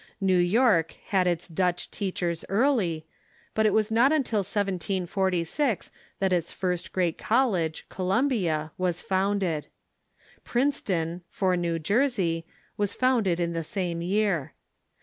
New York had its Dutch teachers early, but it was not until 174G that its first great college — Columbia — was founded. Princeton, for New .Jersey, was founded in the same year.